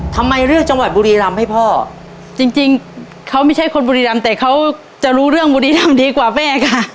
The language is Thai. ทำไมเลือกจังหวัดบุรีรำให้พ่อจริงจริงเขาไม่ใช่คนบุรีรำแต่เขาจะรู้เรื่องบุรีรำดีกว่าแม่ค่ะ